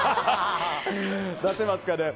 出せますかね。